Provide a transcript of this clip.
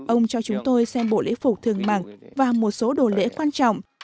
ông cho chúng tôi xem bộ lễ phục thường mặc và một số đồ lễ quan trọng